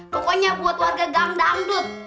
pokoknya buat warga gamdangdut